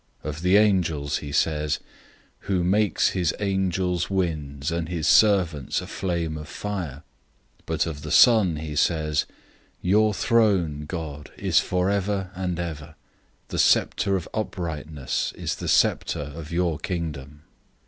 001:007 Of the angels he says, "Who makes his angels winds, and his servants a flame of fire."{Psalm 104:4} 001:008 But of the Son he says, "Your throne, O God, is forever and ever. The scepter of uprightness is the scepter of your Kingdom.